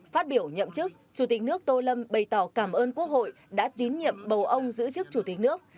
phát biểu nhậm chức chủ tịch nước tô lâm bày tỏ cảm ơn quốc hội đã tín nhiệm bầu ông giữ chức chủ tịch nước